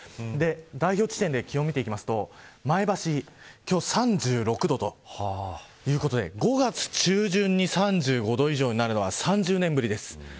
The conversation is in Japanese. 代表地点で気温を見ていくと前橋は今日３６度ということで５月中旬に３５度以上になるのは３０年ぶりです。